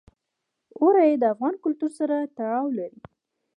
اوړي د افغان کلتور سره تړاو لري.